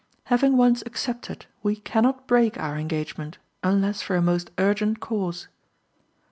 Having once accepted, we cannot break our engagement, unless for a most urgent cause.